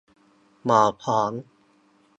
หมอพร้อม